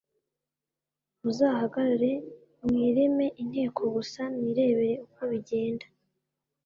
muzahagarare mwireme inteko gusa mwirebere uko bigenda